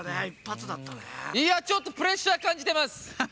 いやちょっとプレッシャーかんじてます。